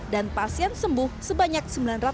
dan pasien sembuh sebanyak sembilan ratus delapan puluh tiga